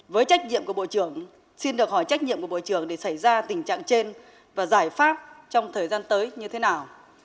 với trách nhiệm của bộ trưởng xin được hỏi trách nhiệm của bộ trưởng để xảy ra tình trạng trên và giải pháp trong thời gian tới như thế nào